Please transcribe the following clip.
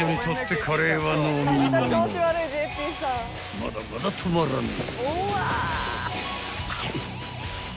［まだまだ止まらねえ］